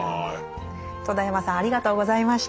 戸田山さんありがとうございました。